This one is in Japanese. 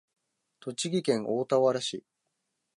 栃木県大田原市